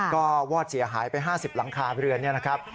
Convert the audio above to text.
ก็วอดเสียหายไป๕๐หลังคาเรือนนี่นะครับ